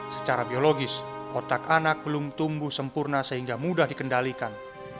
secara biologis otak anak belum tumbuh sempurna sehingga mudah dikendalikan